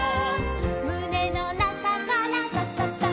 「むねのなかからとくとくとく」